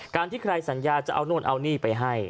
การที่ใครสัญญาจะเอาโน่นเอานี่ไปให้